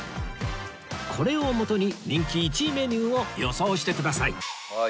これをもとに人気１位メニューを予想してください